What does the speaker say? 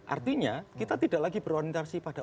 artinya kita tidak lagi berorientasi pada